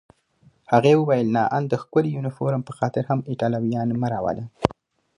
هغې وویل: نه، آن د ښکلي یونیفورم په خاطر هم ایټالویان مه راوله.